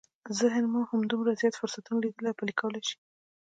ذهن مو همدومره زیات فرصتونه ليدلی او پلي کولای شي.